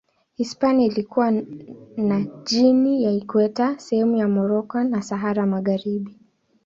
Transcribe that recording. Hispania ilikuwa na Guinea ya Ikweta, sehemu za Moroko na Sahara Magharibi.